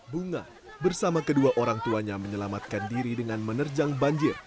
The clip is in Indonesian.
bunga bersama kedua orang tuanya menyelamatkan diri dengan menerjang banjir